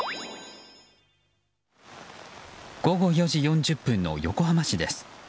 午後４時４０分の横浜市です。